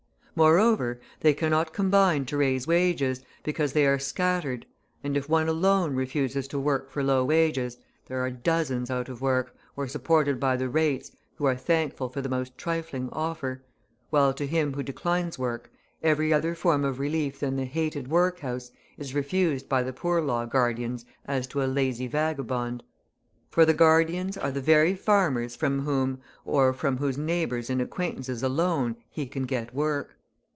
Moreover, they cannot combine to raise wages, because they are scattered, and if one alone refuses to work for low wages, there are dozens out of work, or supported by the rates, who are thankful for the most trifling offer, while to him who declines work, every other form of relief than the hated workhouse is refused by the Poor Law guardians as to a lazy vagabond; for the guardians are the very farmers from whom or from whose neighbours and acquaintances alone he can get work.